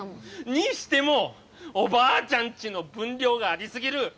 にしても「おばあちゃんち」の分量があり過ぎる！